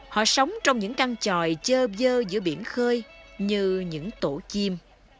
họ sống trong những căn tròi chơ dơ giữa biển khơi như những tổ chim